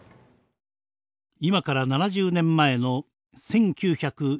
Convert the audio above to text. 今から７０年前の１９４１年。